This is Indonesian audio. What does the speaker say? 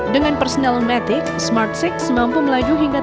dengan personal matic smart enam mampu mengembangkan mobil ini